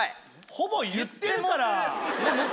ほぼ言ってるから。